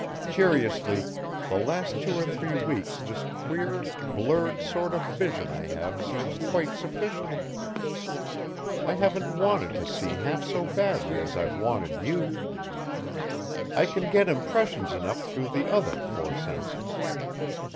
Curiously, the last two or three weeks this queer, blurred sort of vision I have seems quite sufficient. I haven't wanted to see half so badly as I've wanted you. I can get impressions enough through the other four senses.